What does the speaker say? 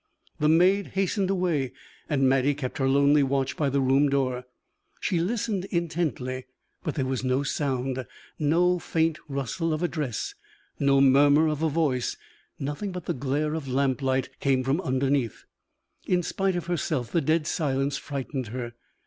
The maid hastened away and Mattie kept her lonely watch by the room door. She listened intently, but there was no sound, no faint rustle of a dress, no murmur of a voice; nothing but the glare of lamplight came from underneath. In spite of herself the dead silence frightened her.